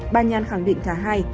bà nhàn khẳng định cả hai